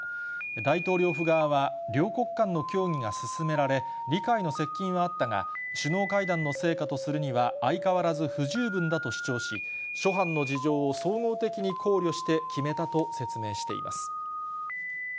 大統領府側は、両国間の協議が進められ、理解の接近はあったが、首脳会談の成果とするには相変わらず不十分だとし、諸般の事情を総合的に考慮して決めたと説明しています。